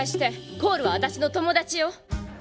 コールは私の友達よ。